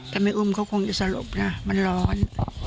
แต่ไม่อุ้มเขาคงจะสลบนะมันร้อน